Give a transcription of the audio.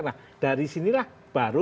nah dari sinilah baru